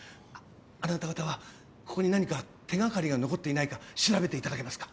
あなた方はここに何か手がかりが残っていないか調べていただけますか。